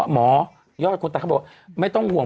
หมอยอดคนตายเขาบอกไม่ต้องห่วง